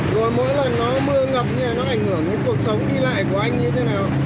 rồi mỗi lần mưa ngập như thế này nó ảnh hưởng đến cuộc sống đi lại của anh như thế nào